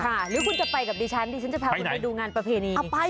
หรือคุณจะไปกับดิฉันดิฉันจะพาคุณไปดูงานประเพณี